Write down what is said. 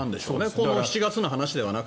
この７月の話ではなく。